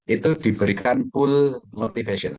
itu diberikan pool motivation